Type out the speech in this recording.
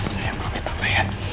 saya mau ambil pakaian